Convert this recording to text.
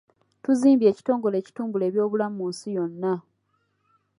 Tuzimbye ekitongole ekitumbula eby'obulamu mu nsi yonna.